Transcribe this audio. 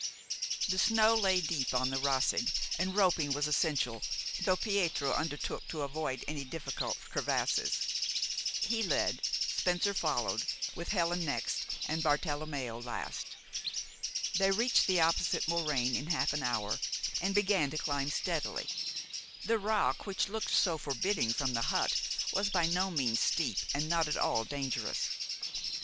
The snow lay deep on the Roseg, and roping was essential, though Pietro undertook to avoid any difficult crevasses. He led, Spencer followed, with Helen next, and Bartelommeo last. They reached the opposite moraine in half an hour, and began to climb steadily. The rock which looked so forbidding from the hut was by no means steep and not at all dangerous.